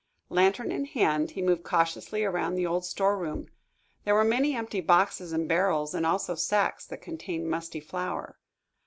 Lantern in hand, he moved cautiously around the old storeroom. There were many empty boxes and barrels, and also sacks that contained musty flour.